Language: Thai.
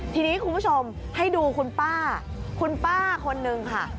ทีนี้คุณผู้ชมให้ดูคุณป้าคุณป้าคนนึงค่ะ